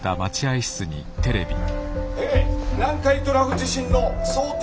「え南海トラフ地震の想定